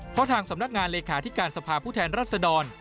เพราะทางสำนักงานเลขาธิการสภาพผู้แทนรัศดร